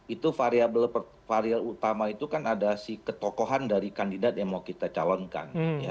itu varia utama itu kan ada si ketokohan dari kandidat yang mau kita calonkan